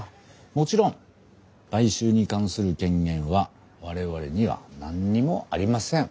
もちろん買収に関する権限は我々には何にもありません。